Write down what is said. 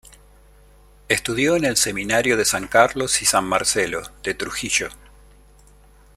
Estudió en el Seminario de San Carlos y San Marcelo, de Trujillo.